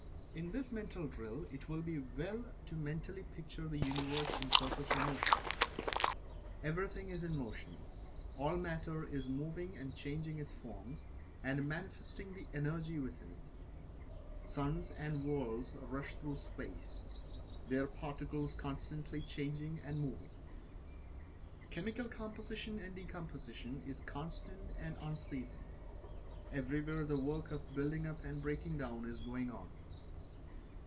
In this mental drill, it will be well to mentally picture the Universe in perpetual motion everything is in motion all matter is moving and changing its forms, and manifesting the Energy within it. Suns and worlds rush through space, their particles constantly changing and moving. Chemical composition and decomposition is constant and unceasing, everywhere the work of building up and breaking down is going on.